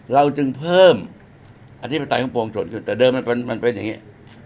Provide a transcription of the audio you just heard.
เราจึงเพิ่มอธิปไตยของปวงชนขึ้นแต่เดิมมันเป็นอย่างนี้